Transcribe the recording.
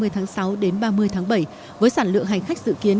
hai mươi tháng sáu đến ba mươi tháng bảy với sản lượng hành khách dự kiến